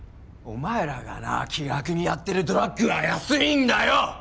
お前らがな気楽にやってるドラッグは安いんだよ！